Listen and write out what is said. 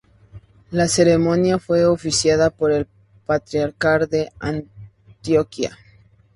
La ceremonia fue oficiada por el patriarca de Antioquía.